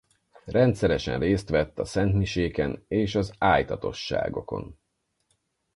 Rendszeresen részt vett a szentmiséken és az ájtatosságokon.